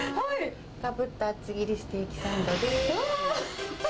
がぶっと厚切りステーキサンドです。